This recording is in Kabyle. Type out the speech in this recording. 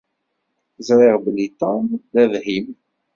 Ẓriɣ belli Tom d abhim.